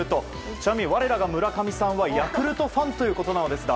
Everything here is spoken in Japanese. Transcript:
ちなみに、我々が村上さんはヤクルトファンということなんですが。